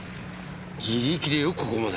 自力でよくここまで。